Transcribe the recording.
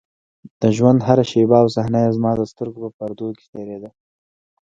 د ژونـد هـره شـيبه او صحـنه يـې زمـا د سـترګو پـر پـردو تېـرېده.